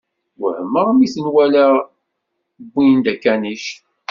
Wehmeɣ mi ten-walaɣ wwin-d akanic.